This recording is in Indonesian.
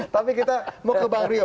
tapi kita mau ke bang rio